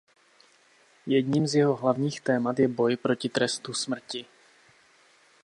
Jedním z jeho hlavních témat je boj proti trestu smrti.